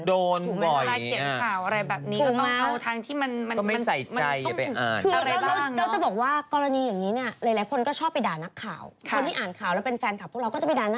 โดนบ่อยถูกมากต้องเอาทางที่มันต้องตอบไว้บ้างนะดูนะรายเขียนข่าวอะไรแบบนี้